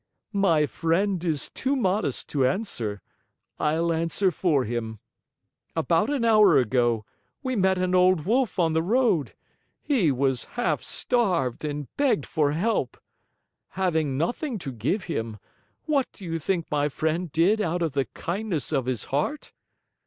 "My friend is too modest to answer. I'll answer for him. About an hour ago, we met an old wolf on the road. He was half starved and begged for help. Having nothing to give him, what do you think my friend did out of the kindness of his heart?